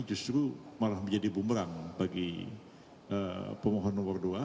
justru malah menjadi bumerang bagi pemohon nomor dua